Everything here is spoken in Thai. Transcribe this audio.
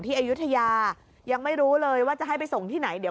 ที่เอาหนึ่งได้เท่าไหร่กันเนี่ย